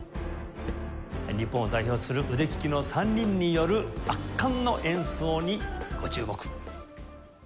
日本を代表する腕利きの３人による圧巻の演奏にご注目。